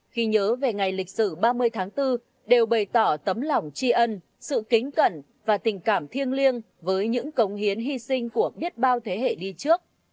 khi nhớ về ngày lịch sử ba mươi tháng bốn đều bày tỏ tấm lòng tri ân sự kính cẩn và tình cảm thiêng liêng với những cống hiến hy sinh của biết bao thế hệ đi trước